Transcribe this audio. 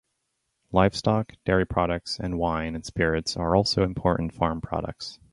Livestock, dairy products, and wine and spirits are also important farm products.